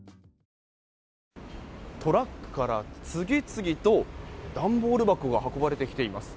トラックから次々と段ボール箱が運ばれてきています。